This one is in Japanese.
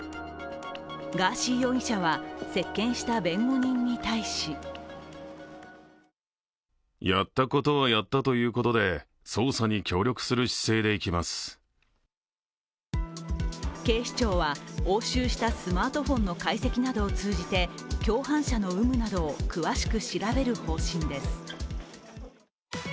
ガーシー容疑者は接見した弁護人に対し警視庁は押収したスマートフォンの解析などを通じて共犯者の有無などを詳しく調べる方針です。